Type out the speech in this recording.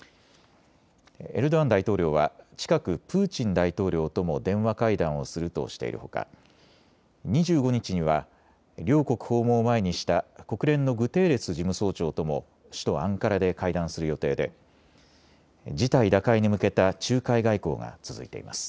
エルドアン大統領は近くプーチン大統領とも電話会談をするとしているほか２５日には両国訪問を前にした国連のグテーレス事務総長とも首都アンカラで会談する予定で事態打開に向けた仲介外交が続いています。